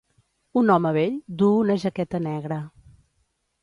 Un home vell duu una jaqueta negra.